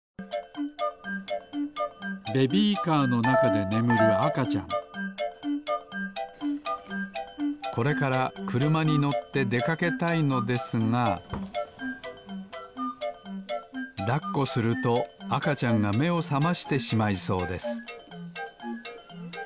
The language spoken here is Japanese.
ベビーカーのなかでねむるあかちゃんこれからくるまにのってでかけたいのですがだっこするとあかちゃんがめをさましてしまいそうです